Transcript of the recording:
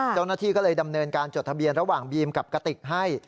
เจ้าหน้าที่ก็เลยดำเนินการจดทะเบียนระหว่างบีมกับกติกให้